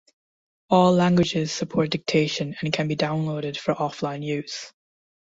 All languages support dictation and can be downloaded for offline use.